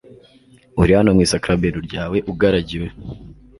uri hano mu isakaramentu ryawe, ugaragiwe